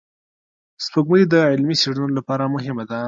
سپوږمۍ د علمي څېړنو لپاره مهمه ده